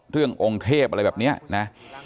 เรื่ององค์เทพอะไรแบบนี้นะ